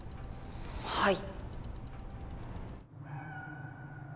はい。